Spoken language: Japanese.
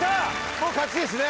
もう勝ちですね。